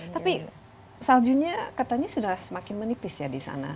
tapi saljunya katanya sudah semakin menipis ya di sana